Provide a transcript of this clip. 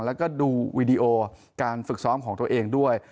แล้วก็ดูวีดีโอการฝึกซ้อมของตัวเองด้วย